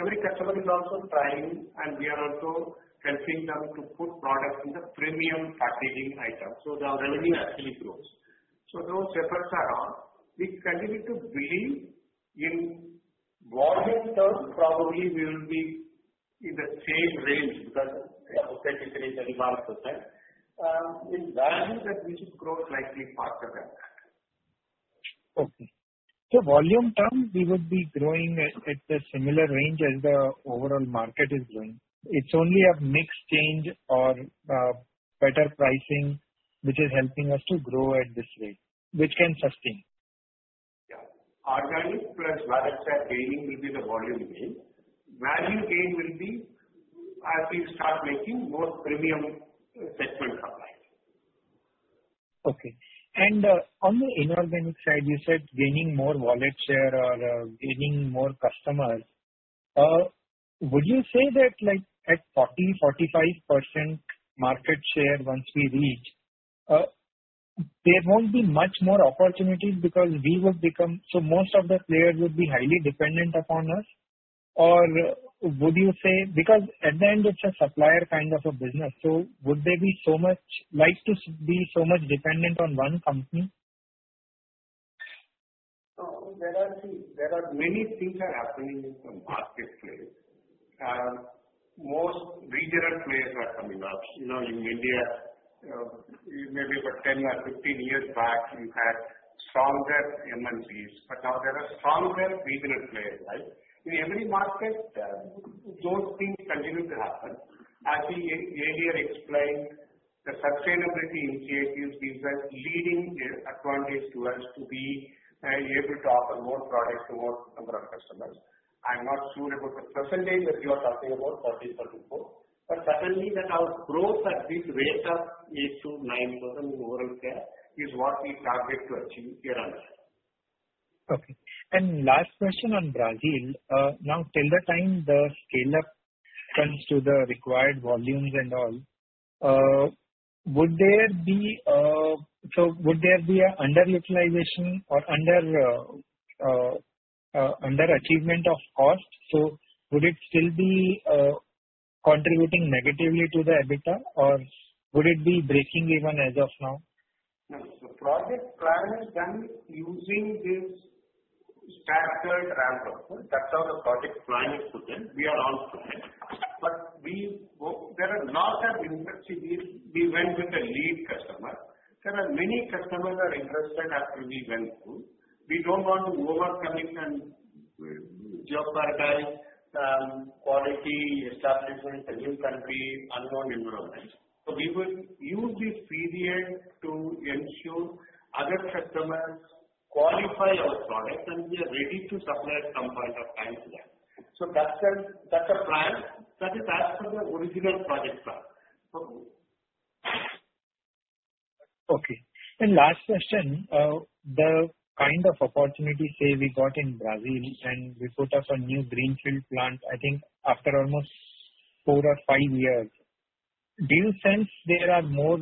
Every customer is also trying, and we are also helping them to put product in the premium packaging item, so the revenue actually grows. Those efforts are on. We continue to believe in volume terms, probably we will be in the same range because we are authentically 35%. In value that we should grow slightly faster than that. Okay. Volume term we will be growing at the similar range as the overall market is growing. It's only a mix change or better pricing which is helping us to grow at this rate, which can sustain. Organic plus wallet share gaining will be the volume gain. Value gain will be as we start making more premium segment supplies. Okay. On the inorganic side, you said gaining more wallet share or gaining more customers. Would you say that like at 40%-45% market share once we reach, there won't be much more opportunities because we would become. So most of the players would be highly dependent upon us. Or would you say. Because at the end it's a supplier kind of a business, so would they be so much, like to be so much dependent on one company? No. There are many things are happening in the marketplace. Most regional players are coming up. You know, in India, maybe about 10 or 15 years back, you had stronger MNCs, but now there are stronger regional players, right? In every market, those things continue to happen. As we earlier explained, the sustainability initiatives gives us leading advantage to us to be able to offer more products to more number of customers. I'm not sure about the percentage that you are talking about, 40% growth. Certainly that our growth at this rate of 8%-9% in overall care is what we target to achieve year on year. Okay. Last question on Brazil. Now till the time the scale-up comes to the required volumes and all, would there be a underutilization or underachievement of cost? Would it still be contributing negatively to the EBITDA or would it be breakeven as of now? No. Project plan is done using this staggered ramp-up. That's how the project plan is put in. We are all put in. We hope there are lot of interest. We went with a lead customer. There are many customers are interested after we went through. We don't want to overcommit and jeopardize quality establishment in new country, unknown environment. We would use this period to ensure other customers qualify our product and we are ready to supply at some point of time to them. That's a plan. That is as per the original project plan. Okay. Last question. The kind of opportunity, say, we got in Brazil and we put up a new greenfield plant, I think after almost four or five years. Do you sense there are more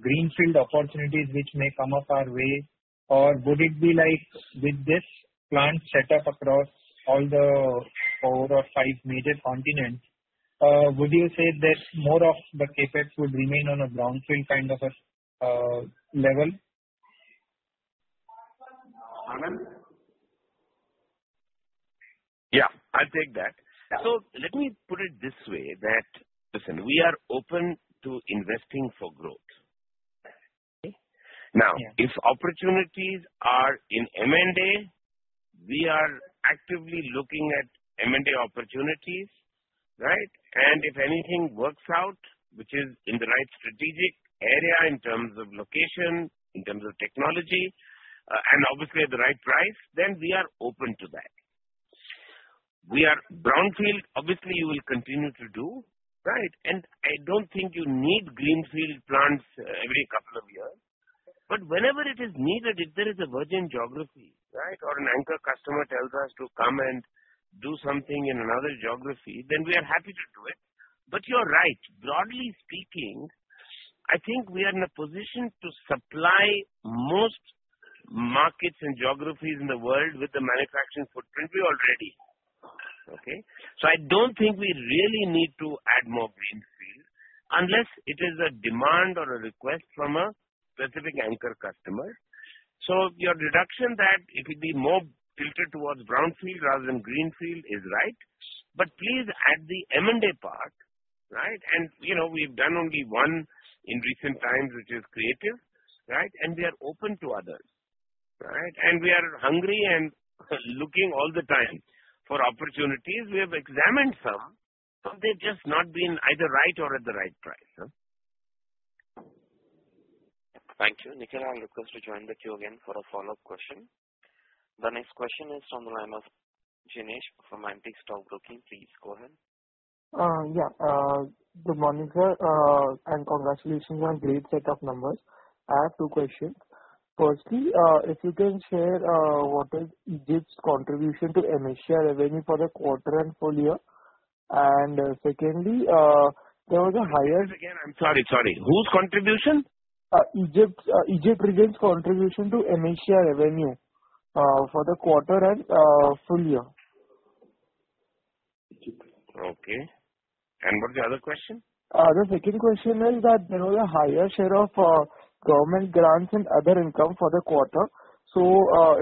greenfield opportunities which may come up our way? Or would it be like with this plant set up across all the four or five major continents, would you say that more of the CapEx would remain on a brownfield kind of a level? Anand? Yeah, I'll take that. Yeah. Let me put it this way that, listen, we are open to investing for growth. Okay? Yeah. Now, if opportunities are in M&A, we are actively looking at M&A opportunities, right? If anything works out, which is in the right strategic area in terms of location, in terms of technology, and obviously at the right price, then we are open to that. We are brownfield, obviously we will continue to do, right? I don't think you need greenfield plants every couple of years. Whenever it is needed, if there is a virgin geography, right, or an anchor customer tells us to come and do something in another geography, then we are happy to do it. You are right. Broadly speaking, I think we are in a position to supply most markets and geographies in the world with the manufacturing footprint we have already. Okay. Okay? I don't think we really need to add more greenfield unless it is a demand or a request from a specific anchor customer. Your deduction that it will be more tilted towards brownfield rather than greenfield is right. Please add the M&A part, right? You know we've done only one in recent times, which is Creative, right? We are open to others, right? We are hungry and looking all the time for opportunities. We have examined some, but they've just not been either right or at the right price. Yeah. Thank you. Nikhil, I request to join with you again for a follow-up question. The next question is from the line of Jignesh from Antique Stock Broking. Please go ahead. Good morning, sir, and congratulations on great set of numbers. I have two questions. Firstly, if you can share, what is Egypt's contribution to AMESA revenue for the quarter and full-year? Secondly, there was a higher. Once again, I'm sorry. Whose contribution? Egypt region's contribution to AMESA revenue, for the quarter and full-year. Okay. What's the other question? The second question is that there was a higher share of government grants and other income for the quarter.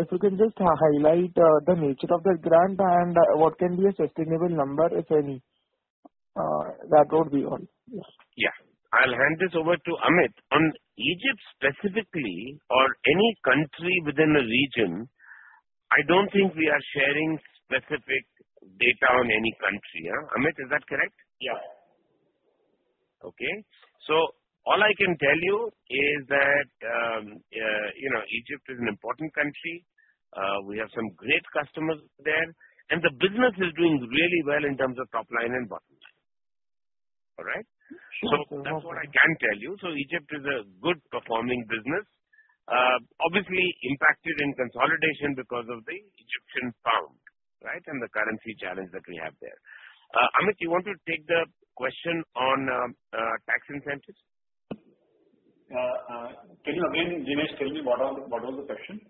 If you can just highlight the nature of the grant and what can be a sustainable number, if any. That would be all. Yes. Yeah. I'll hand this over to Amit. On Egypt specifically or any country within a region, I don't think we are sharing specific data on any country. Yeah. Amit, is that correct? Yeah. Okay. All I can tell you is that, you know, Egypt is an important country. We have some great customers there, and the business is doing really well in terms of top line and bottom line. All right? Sure. That's what I can tell you. Egypt is a good performing business, obviously impacted in consolidation because of the Egyptian pound, right? The currency challenge that we have there. Amit, you want to take the question on tax incentives? Can you again, Jignesh, tell me what was the question?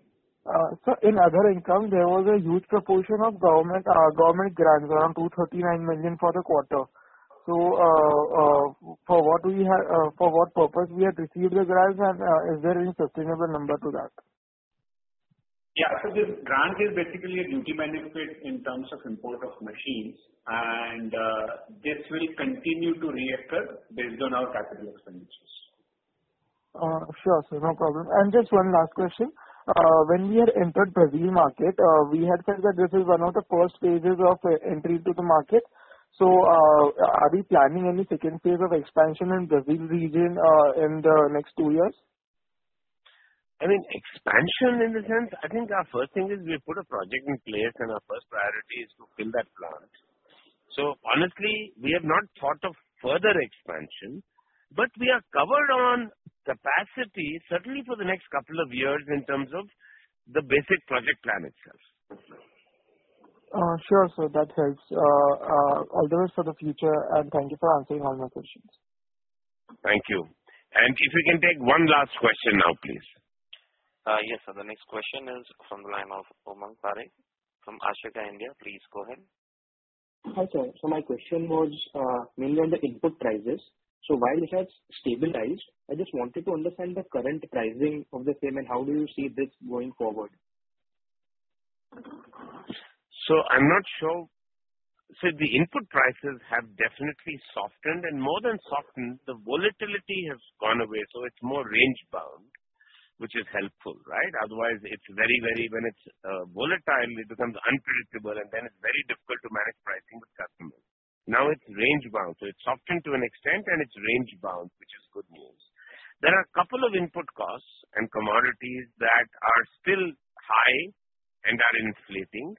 In other income, there was a huge proportion of government government grants, around 239 million for the quarter. For what purpose we have received the grants and is there any sustainable number to that? Yeah. This grant is basically a duty benefit in terms of import of machines, and this will continue to reoccur based on our capital expenditures. Sure. No problem. Just one last question. When we had entered Brazil market, we had said that this is one of the first stages of entry to the market. Are we planning any second phase of expansion in Brazil region in the next two years? I mean, expansion in the sense, I think our first thing is we put a project in place and our first priority is to build that plant. Honestly, we have not thought of further expansion, but we are covered on capacity certainly for the next couple of years in terms of the basic project plan itself. Sure. That helps all those for the future, and thank you for answering all my questions. Thank you. If we can take one last question now, please. Yes. The next question is from the line of Umang Parekh from Ashika India. Please go ahead. Hi, sir. My question was, mainly on the input prices. While it has stabilized, I just wanted to understand the current pricing of the same and how do you see this going forward? I'm not sure. The input prices have definitely softened, and more than softened, the volatility has gone away, so it's more range bound, which is helpful, right? Otherwise, it's very, very when it's volatile, it becomes unpredictable, and then it's very difficult to manage pricing with customers. It's range bound, so it's softened to an extent and it's range bound, which is good news. There are a couple of input costs and commodities that are still high and are inflating.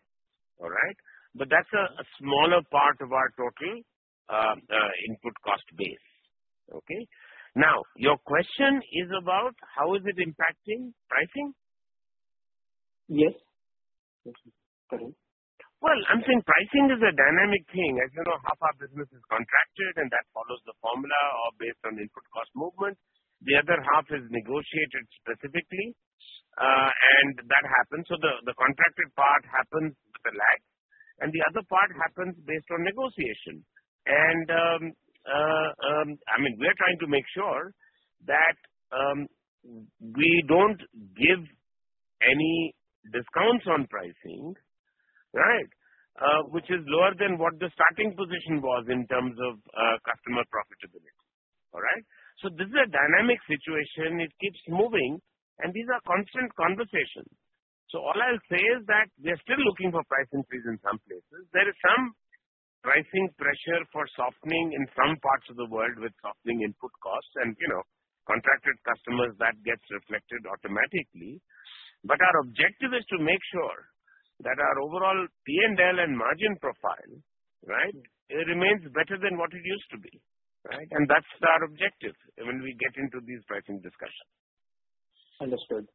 All right. But that's a smaller part of our total input cost base. Okay. Your question is about how is it impacting pricing? Yes. Well, I'm saying pricing is a dynamic thing. As you know, half our business is contracted and that follows the formula or based on input cost movement. The other half is negotiated specifically, and that happens. The contracted part happens with a lag, and the other part happens based on negotiation. I mean, we are trying to make sure that we don't give any discounts on pricing, right, which is lower than what the starting position was in terms of customer profitability. All right? This is a dynamic situation. It keeps moving and these are constant conversations. All I'll say is that we are still looking for price increase in some places. There is some pricing pressure for softening in some parts of the world with softening input costs and, you know, contracted customers that gets reflected automatically. Our objective is to make sure that our overall P&L and margin profile, right, remains better than what it used to be, right? That's our objective when we get into these pricing discussions. Understood.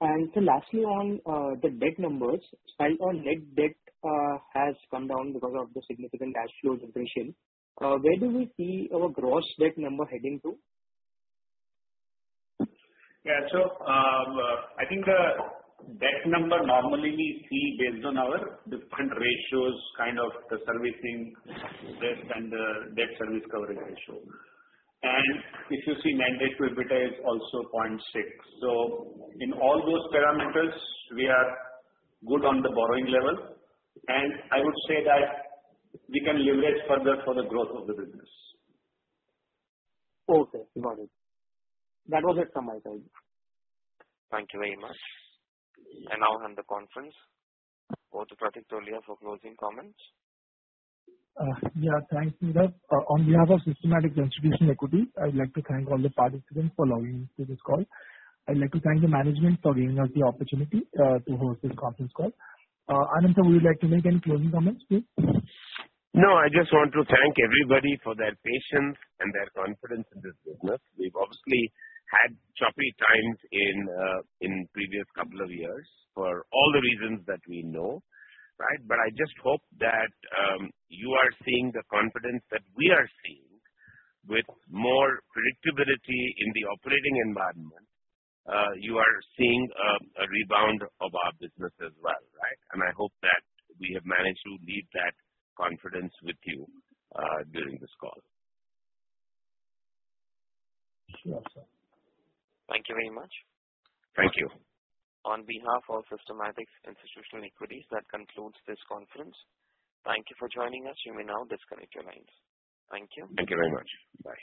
Lastly on, the debt numbers. While our net debt has come down because of the significant cash flows generation, where do we see our gross debt number heading to? I think the debt number normally we see based on our different ratios, kind of the servicing debt and debt service coverage ratio. If you see net debt to EBITDA is also 0.6. In all those parameters we are good on the borrowing level. I would say that we can leverage further for the growth of the business. Okay. Got it. That was it from my side. Thank you very much. Now I'll hand the conference over to Pratik Tholiya for closing comments. Yeah, thanks, Neeraj. On behalf of Systematix Institutional Equities, I'd like to thank all the participants for allowing me to this call. I'd like to thank the management for giving us the opportunity to host this conference call. Anand, sir, would you like to make any closing comments, please? I just want to thank everybody for their patience and their confidence in this business. We've obviously had choppy times in previous couple of years for all the reasons that we know, right? I just hope that you are seeing the confidence that we are seeing with more predictability in the operating environment. You are seeing a rebound of our business as well, right? I hope that we have managed to leave that confidence with you during this call. Sure, sir. Thank you very much. Thank you. On behalf of Systematix Institutional Equities, that concludes this conference. Thank you for joining us. You may now disconnect your lines. Thank you. Thank you very much. Bye.